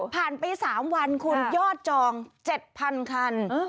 ไป๓วันคุณยอดจอง๗๐๐คัน